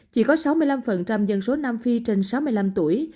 chỉ có sáu mươi năm dân số nam phi trên sáu mươi năm tuổi